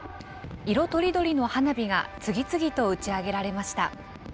色とりどりの花火が次々と打ち上げられました。